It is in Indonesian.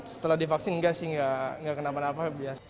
setelah divaksin enggak sih enggak kenapa napa